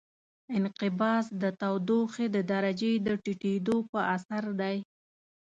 انقباض د تودوخې د درجې د ټیټېدو په اثر دی.